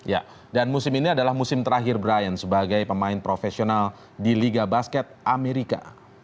ya dan musim ini adalah musim terakhir brian sebagai pemain profesional di liga basket amerika